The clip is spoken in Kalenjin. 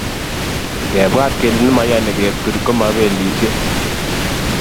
Ngebwat kele nemoiyoni ketur komoibelisie